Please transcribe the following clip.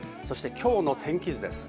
今日の天気図です。